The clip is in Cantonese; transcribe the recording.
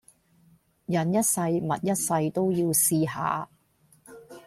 人一世物一世都要試下